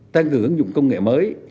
tăng cường ứng dụng công nghệ mới